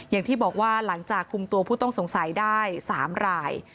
อย่างที่บอกว่าหลังจากคุมตัวผู้ต้องสงสัยได้๓ราย